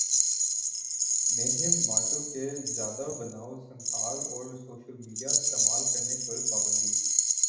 میگھن Markle کے زیادہ بنائو سنگھار اور سوشل میڈیا استعمال کرنے پر پابندی